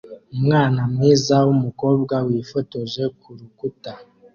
Umwana mwiza wumukobwa wifotoje kurukuta